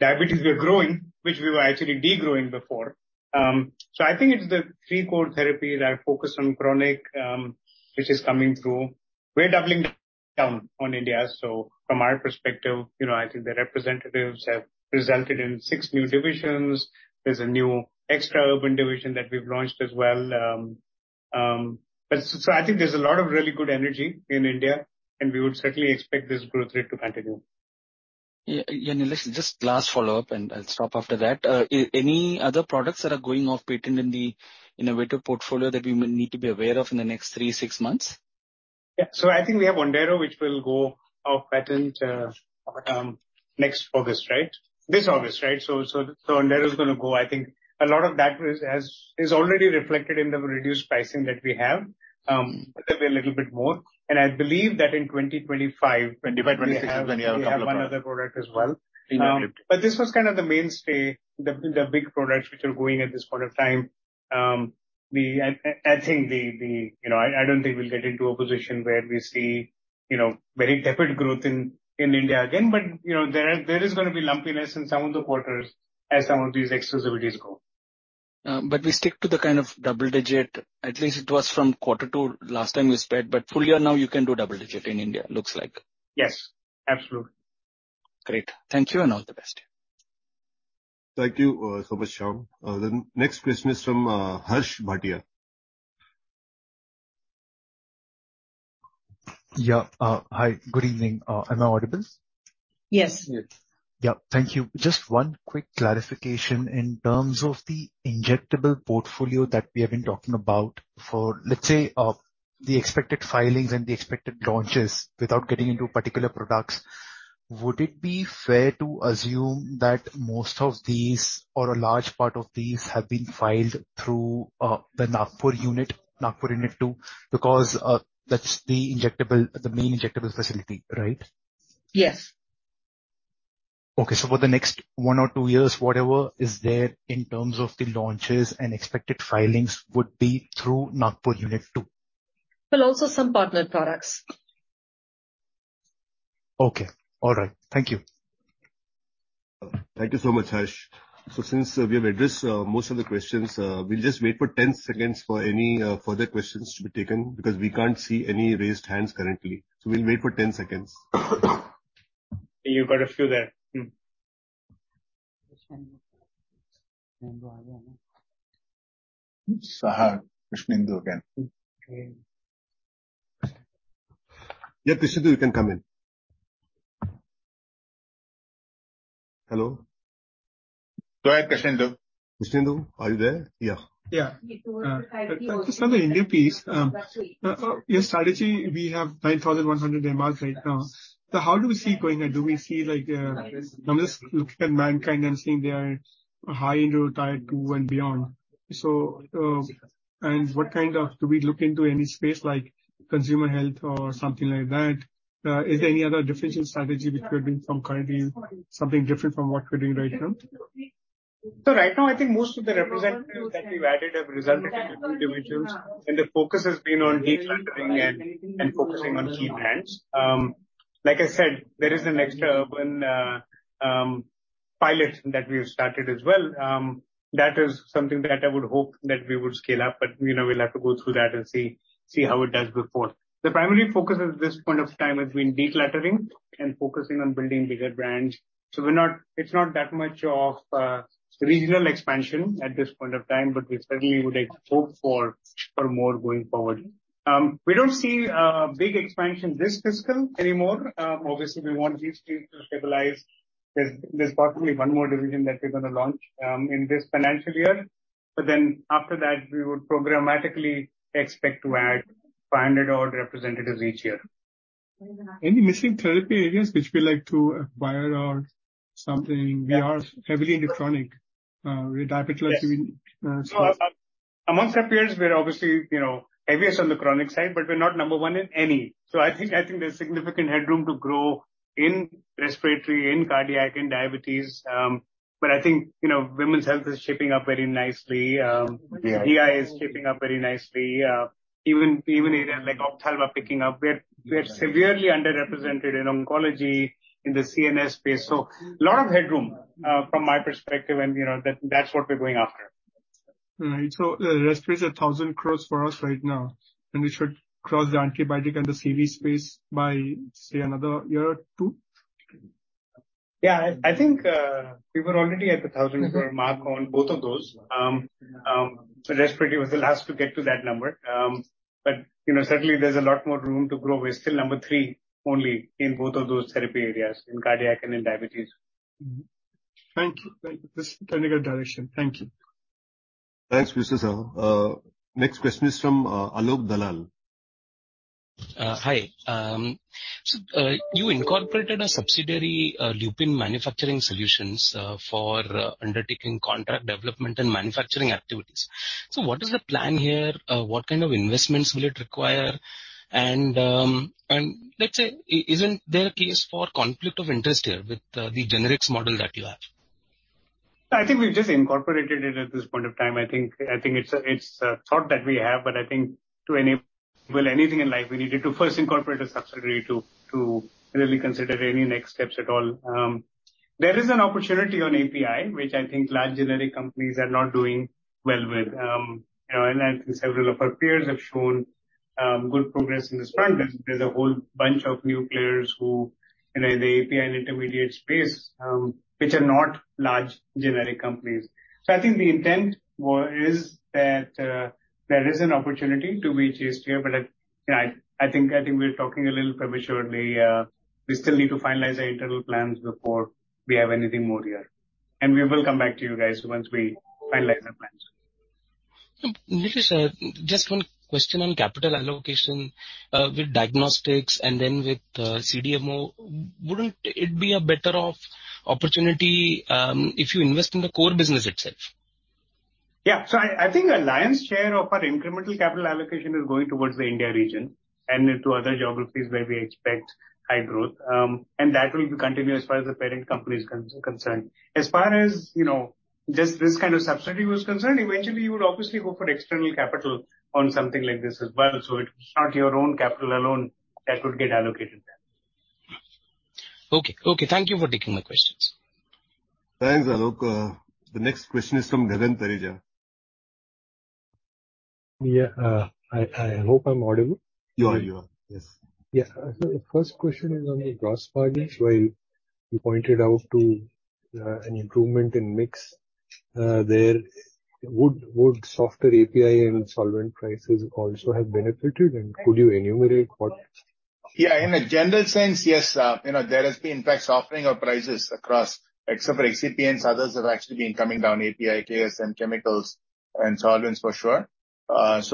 Diabetes, we are growing, which we were actually degrowing before. I think it's the three core therapies that are focused on chronic, which is coming through. We're doubling down on India, from our perspective, you know, I think the representatives have resulted in 6 new divisions. There's a new extra urban division that we've launched as well. I think there's a lot of really good energy in India, and we would certainly expect this growth rate to continue. Yeah, yeah, listen, just last follow-up, and I'll stop after that. Any other products that are going off patent in the innovative portfolio that we may need to be aware of in the next three, six months? Yeah. I think we have Ondero, which will go off patent next August, right? This August, right. Ondero is gonna go. I think a lot of that is, has, is already reflected in the reduced pricing that we have. There'll be a little bit more, and I believe that in 2025.... 2026, when you have two products. We have one other product as well. Mm-hmm. This was kind of the mainstay, the, the big products which are going at this point of time. We, I, I, I think You know, I, I don't think we'll get into a position where we see, you know, very tepid growth in India again, but, you know, there are, there is gonna be lumpiness in some of the quarters as some of these exclusivities go. We stick to the kind of double digit, at least it was from Q2, last time we spread, but full year now, you can do double digit in India, looks like. Yes, absolutely. Great. Thank you, and all the best. Thank you, so much, Shyam. The next question is from, Harsh Bhatia. Yeah. Hi, good evening. Am I audible? Yes. Yes. Yeah. Thank you. Just one quick clarification in terms of the injectable portfolio that we have been talking about for, let's say, the expected filings and the expected launches, without getting into particular products. Would it be fair to assume that most of these, or a large part of these, have been filed through, the Nagpur unit, Nagpur unit two, because, that's the injectable, the main injectable facility, right? Yes. Okay. For the next one or two years, whatever is there in terms of the launches and expected filings would be through Nagpur unit two? Well, also some partner products. Okay. All right. Thank you. Thank you so much, Harsh. Since we have addressed most of the questions, we'll just wait for 10 seconds for any further questions to be taken, because we can't see any raised hands currently. We'll wait for 10 seconds. You've got a few there. Hmm. Sahar Krishnendu again. Okay. Yeah, Krishnendu, you can come in. Hello? Go ahead, Krishnendu. Krishnendu, are you there? Yeah. Yeah. Just on the India piece, your strategy, we have 9,100 marks right now. How do we see it going, and do we see like, I'm just looking at Mankind and seeing they are high into Tier 2 and beyond. What kind of do we look into any space like consumer health or something like that? Is there any other differential strategy which we're doing from currently, something different from what we're doing right now? Right now, I think most of the representatives that we've added have resulted in new divisions, and the focus has been on decluttering and, and focusing on key brands. Like I said, there is a next urban pilot that we have started as well. That is something that I would hope that we would scale up, but, you know, we'll have to go through that and see, see how it does before. The primary focus at this point of time has been decluttering and focusing on building bigger brands. We're not- it's not that much of regional expansion at this point of time, but we certainly would like to hope for, for more going forward. We don't see big expansion this fiscal anymore. Obviously, we want these things to stabilize. There's possibly one more division that we're gonna launch in this financial year, but then after that, we would programmatically expect to add 500 odd representatives each year. Any missing therapy areas which we like to acquire or something? We are heavily into chronic, with diabetes- Yes. Amongst our peers, we're obviously, you know, heaviest on the chronic side, but we're not number one in any. I think, I think there's significant headroom to grow in respiratory, in cardiac and diabetes. I think, you know, women's health is shaping up very nicely. Yeah. GI is shaping up very nicely, even, even areas like ophthalm picking up. We're, we're severely underrepresented in oncology, in the CNS space, so a lot of headroom, from my perspective, and, you know, that-that's what we're going after. Right. Respiratory is 1,000 crore for us right now, and we should cross the antibiotic and the CV space by, say, another one or two years? Yeah. I think, we were already at the 1,000 crore mark on both of those. Respiratory was the last to get to that number. You know, certainly there's a lot more room to grow. We're still number three only in both of those therapy areas, in cardiac and in diabetes. Mm-hmm. Thank you. Thank you. This is the clinical direction. Thank you. Thanks, Krishanu. Next question is from Alok Dalal. Hi. You incorporated a subsidiary, Lupin Manufacturing Solutions, for undertaking contract development and manufacturing activities. What is the plan here? What kind of investments will it require? Let's say, isn't there a case for conflict of interest here with the generics model that you have? I think we've just incorporated it at this point of time. I think it's a thought that we have, but I think to enable anything in life, we needed to first incorporate a subsidiary to really consider any next steps at all. There is an opportunity on API, which I think large generic companies are not doing well with. You know, I think several of our peers have shown good progress in this front. There's a whole bunch of new players who, you know, in the API and intermediate space, which are not large generic companies. I think the intent is that there is an opportunity to be chased here, but I, you know, I think we're talking a little prematurely. We still need to finalize our internal plans before we have anything more here. We will come back to you guys once we finalize our plans. Nikish sir, just one question on capital allocation. With diagnostics and then with CDMO, wouldn't it be a better off opportunity, if you invest in the core business itself? Yeah. I, I think the lion's share of our incremental capital allocation is going towards the India region and into other geographies where we expect high growth. That will continue as far as the parent company is concerned. As far as, you know, just this kind of subsidy was concerned, eventually, you would obviously go for external capital on something like this as well. It's not your own capital alone that would get allocated there. Okay. Okay, thank you for taking my questions. Thanks, Alok. The next question is from Gagan Thareja. Yeah, I, I hope I'm audible. You are, you are. Yes. Yeah. The first question is on the gross margins, where you pointed out to an improvement in mix there. Would softer API and solvent prices also have benefited? Could you enumerate what? Yeah, in a general sense, yes, you know, there has been, in fact, softening of prices across, except for excipients, others have actually been coming down, API, KSM, chemicals, and solvents for sure. There's,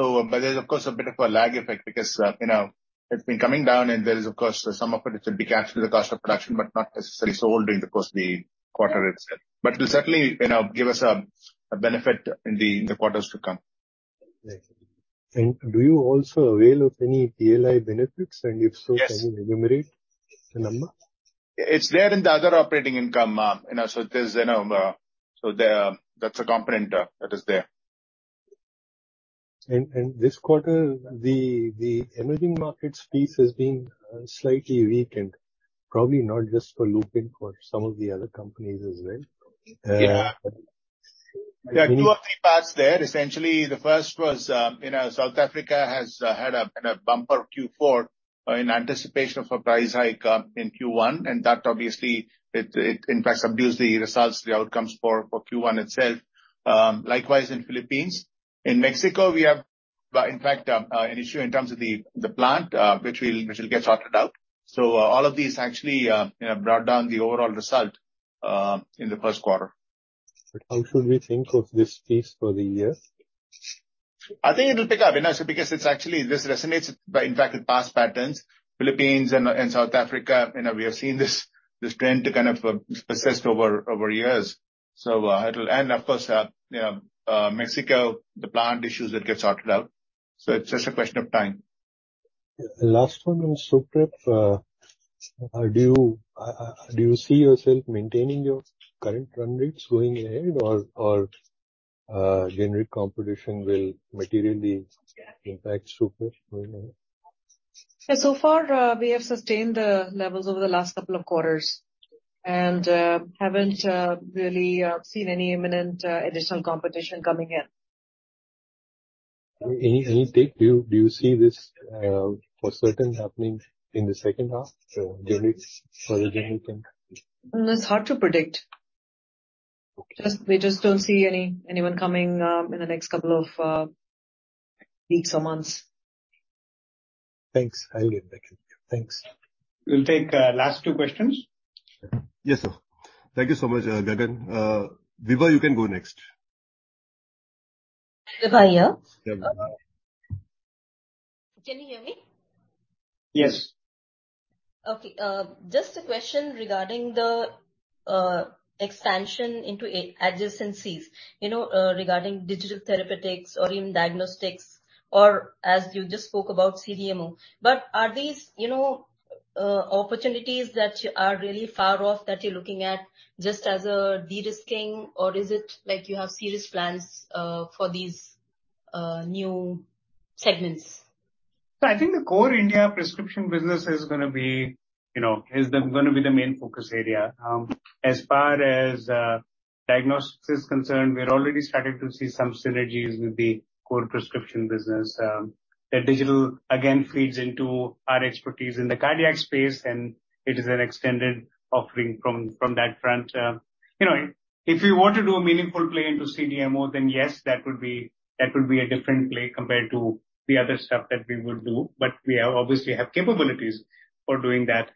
of course, a bit of a lag effect because, you know, it's been coming down, and there is, of course, some of it, it will be captured in the cost of production, but not necessarily sold in, of course, the quarter itself. Will certainly, you know, give us a, a benefit in the, in the quarters to come. Thank you. Do you also avail of any PLI benefits, and if so- Yes. Can you enumerate the number? It's there in the other operating income, you know, so there's, you know, so there, that's a component, that is there. And this quarter, the, the emerging markets piece has been slightly weakened, probably not just for Lupin, for some of the other companies as well. Yeah. There are two or three parts there. Essentially, the first was, you know, South Africa has had a, a bumper Q4 in anticipation of a price hike in Q1, and that obviously, it, it in fact subdues the results, the outcomes for, for Q1 itself. Likewise in Philippines. In Mexico, in fact, an issue in terms of the plant, which will, which will get sorted out. All of these actually, you know, brought down the overall result in the first quarter. How should we think of this piece for the year? I think it will pick up, you know, so because it's actually, this resonates by, in fact, in past patterns. Philippines and South Africa, you know, we have seen this, this trend kind of, persist over, over years. Of course, you know, Mexico, the plant issues that get sorted out. It's just a question of time. Last one on SUPREP, do you, do you see yourself maintaining your current run rates going ahead, or, or, generic competition will materially impact SUPREP going ahead? So far, we have sustained the levels over the last couple of quarters and haven't really seen any imminent additional competition coming in. Any, any take, do you, do you see this, for certain happening in the second half, so generic for the generic end? It's hard to predict. Okay. Just, we just don't see anyone coming in the next couple of weeks or months. Thanks. Thank you. Thanks. We'll take, last two questions. Yes, sir. Thank you so much, Gagan. Vibha, you can go next. Vibha here. Vibha. Can you hear me? Yes. Okay, just a question regarding the expansion into a adjacencies, you know, regarding digital therapeutics or even diagnostics, or as you just spoke about, CDMO. Are these, you know, opportunities that you are really far off that you're looking at just as a de-risking, or is it like you have serious plans for these new segments? I think the core India prescription business is gonna be, you know, is the, gonna be the main focus area. As far as diagnosis is concerned, we're already starting to see some synergies with the core prescription business. The digital, again, feeds into our expertise in the cardiac space, and it is an extended offering from, from that front. You know, if you want to do a meaningful play into CDMO, then yes, that would be, that would be a different play compared to the other stuff that we would do, but we obviously have capabilities for doing that.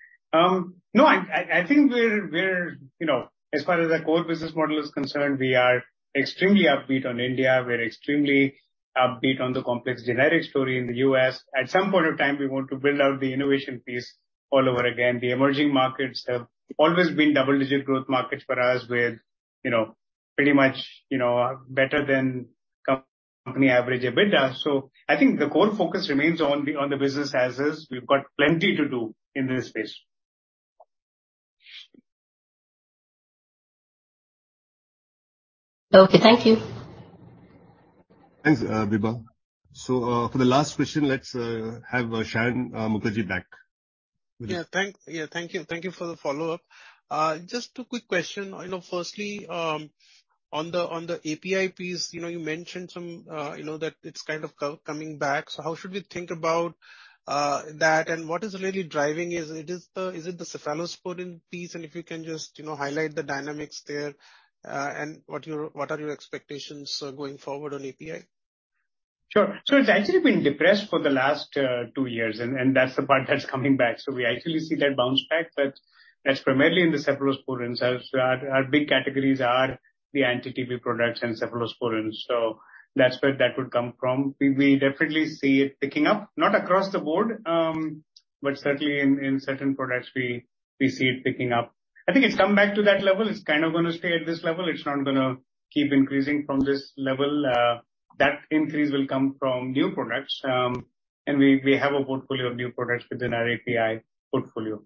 No, I think we're, we're, you know, as far as the core business model is concerned, we are extremely upbeat on India. We're extremely upbeat on the complex generic story in the U.S. At some point of time, we want to build out the innovation piece all over again. The emerging markets have always been double-digit growth markets for us, with, you know, pretty much, you know, better than co- company average EBITDA. I think the core focus remains on the, on the business as is. We've got plenty to do in this space. Okay, thank you. Thanks, Vibha. For the last question, let's have Saion Mukherjee back. Yeah. Thank, yeah, thank you. Thank you for the follow-up. Just two quick question. You know, firstly, on the API piece, you know, you mentioned some, you know, that it's kind of coming back, so how should we think about that, and what is really driving it? Is it the, is it the cephalosporin piece? If you can just, you know, highlight the dynamics there, and what your, what are your expectations, going forward on API? Sure. So it's actually been depressed for the last two years, and, and that's the part that's coming back. We actually see that bounce back, but that's primarily in the Cephalosporins. Our, our big categories are the anti-TB products and Cephalosporins, so that's where that would come from. We, we definitely see it picking up, not across the board, but certainly in, in certain products we, we see it picking up. I think it's come back to that level. It's kind of gonna stay at this level. It's not gonna keep increasing from this level. That increase will come from new products, and we, we have a portfolio of new products within our API portfolio.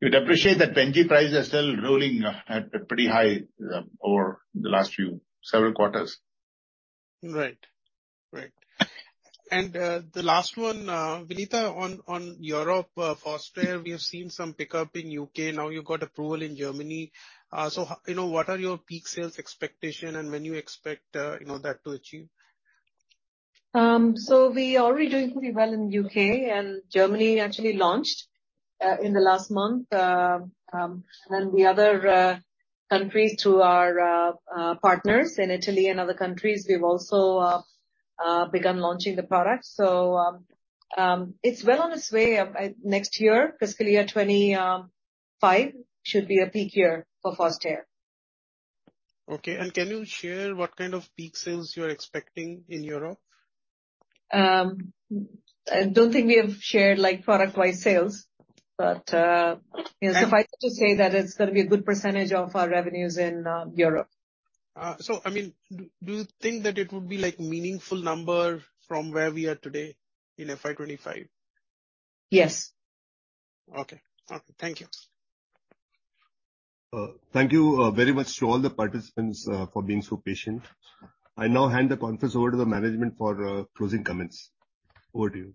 You'd appreciate that Penicillin G prices are still rolling at a pretty high over the last few, several quarters. Right. Right. The last one, Vinita, on, on Europe, Fostair, we have seen some pickup in UK, now you've got approval in Germany. You know, what are your peak sales expectation, and when you expect, you know, that to achieve? We are already doing pretty well in UK, and Germany actually launched in the last month. The other countries through our partners in Italy and other countries, we've also begun launching the product. It's well on its way. By next year, fiscal year 25, should be a peak year for Fostair. Okay. Can you share what kind of peak sales you're expecting in Europe? I don't think we have shared, like, product-wide sales, but suffice to say that it's gonna be a good percentage of our revenues in Europe. I mean, do you think that it would be like meaningful number from where we are today in FY 25? Yes. Okay. Okay, thank you. Thank you very much to all the participants for being so patient. I now hand the conference over to the management for closing comments. Over to you.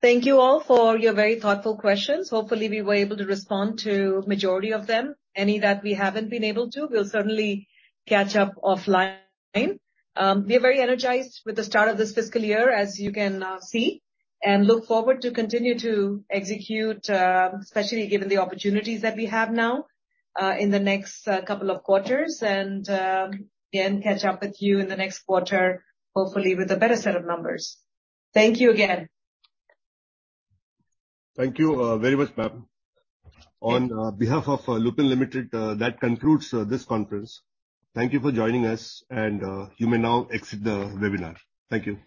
Thank you all for your very thoughtful questions. Hopefully, we were able to respond to majority of them. Any that we haven't been able to, we'll certainly catch up offline. We are very energized with the start of this fiscal year, as you can see, and look forward to continue to execute, especially given the opportunities that we have now in the next couple of quarters, and again, catch up with you in the next quarter, hopefully with a better set of numbers. Thank you again. Thank you, very much, ma'am. On behalf of Lupin Limited, that concludes this conference. Thank you for joining us and you may now exit the webinar. Thank you.